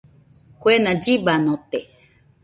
Kuena llibanote.